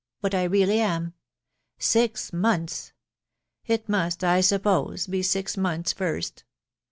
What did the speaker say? what I really am .... Six months !.... it must, I suppose, be six months first